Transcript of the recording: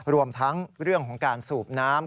รวมทั้งเรื่องของการสูบน้ำ